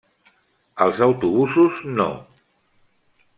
Els autobusos No.